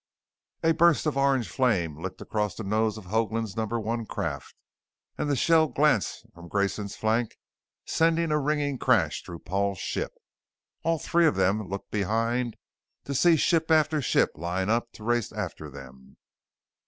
A burst of orange flame licked across the nose of Hoagland's Number One craft and the shell glanced from Grayson's flank, sending a ringing crash through Paul's ship. All three of them looked behind to see ship after ship line up to race after them.